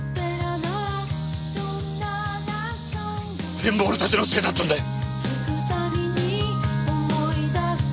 全部俺たちのせいだったんだよ。